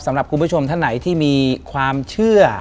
สำหรับคุณผู้ชมท่านไหนที่มีความเชื่อ